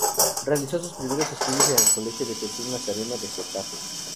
Realizó sus primeros estudios en el colegio Jesús Nazareno de Getafe.